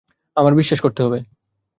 আমায় বিশ্বাস করতে হবে।